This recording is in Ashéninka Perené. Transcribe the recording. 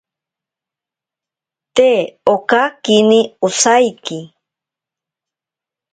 Te okakini osaiki.